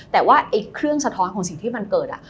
แต่ว่าไอ้เครื่องสะท้อนของสิ่งที่มันเกิด